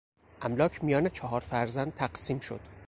املاک میان چهار فرزند تقسیم شد.